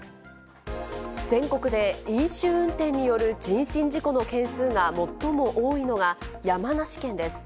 全国で飲酒運転による人身事故の件数が最も多いのが、山梨県です。